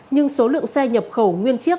nhưng số lượng xe nhập khẩu nguyên chiếc